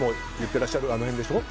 てらっしゃるあの辺でしょ。